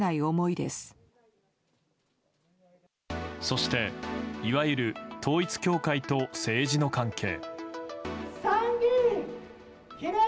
そして、いわゆる統一教会と政治の関係。